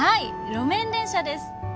路面電車です。